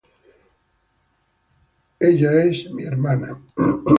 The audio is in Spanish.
Ella es me hermana.